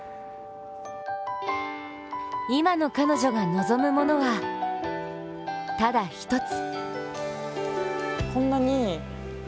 今の彼女が望むものは、ただ一つ。